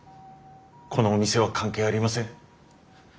このお店は関係ありません。